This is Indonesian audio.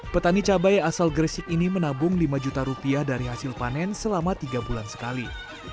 petani cabai asal gresik ini menabung lima juta rupiah dari hasil panen selama tiga bulan sekali